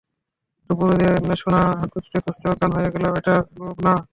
দুপুরে যে, সোনা খুঁজতে খুঁজতে, অজ্ঞান হয়ে গেলা, ওইটা লোভ না?